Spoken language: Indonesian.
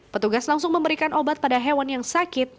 petugas langsung memberikan obat pada hewan yang sakit